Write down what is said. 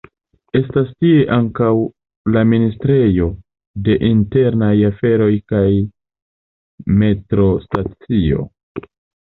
Estas tie ankaŭ la Ministrejo de Internaj Aferoj kaj metrostacio.